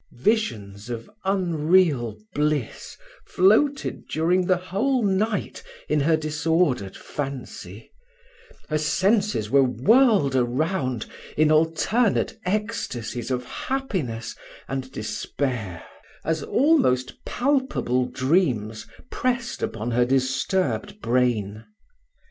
Visions of unreal bless floated during the whole night in her disordered fancy: her senses were whirled around in alternate ecstasies of happiness and despair, as almost palpable dreams pressed upon her disturbed brain.